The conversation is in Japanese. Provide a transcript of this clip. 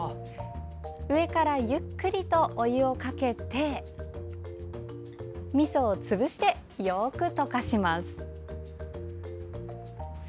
上からゆっくりとお湯をかけてみそを潰して、よく溶かします。